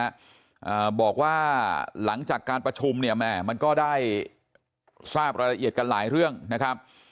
อ่าบอกว่าหลังจากการประชุมเนี่ยแม่มันก็ได้ทราบรายละเอียดกันหลายเรื่องนะครับ